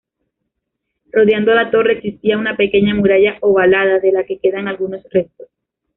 Rodeando la torre existía una pequeña muralla ovalada de la que quedan algunos restos.